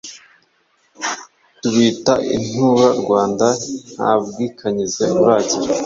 Tubita intura-Rwanda. Nta bwikanyize uragira